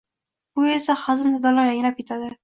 Bu esa hazin sadolar yangrab ketadi.